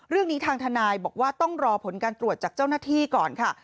เรื่องนี้ทางทนายบอกว่าต้องรอผลการตรวจจากเจ้าหน้าที่ก่อนค่ะ